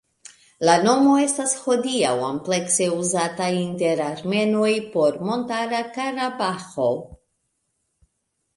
La nomo estas hodiaŭ amplekse uzata inter armenoj por Montara Karabaĥo.